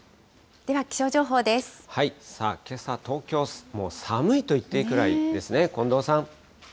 さあ、けさ、東京、もう寒いと言っていいくらいですね。